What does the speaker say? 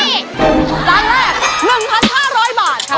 นี่ร้านแรก๑๕๐๐บาทค่ะ